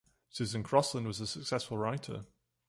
Susan Crosland was a successful writer.